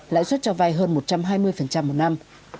lãi suất cho vay hơn một trăm hai mươi một năm